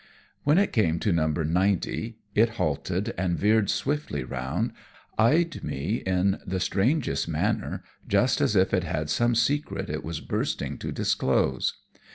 When it came to No. 90 it halted, and veering swiftly round, eyed me in the strangest manner, just as if it had some secret it was bursting to disclose.